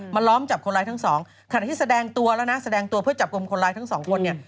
ล้อมจับคนร้ายทั้งสองขณะที่แสดงตัวแล้วนะแสดงตัวเพื่อจับกลุ่มคนร้ายทั้งสองคนเนี่ย